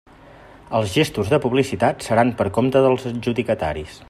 Els gestos de publicitat seran per compte dels adjudicataris.